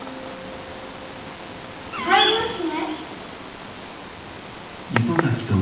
入りますね。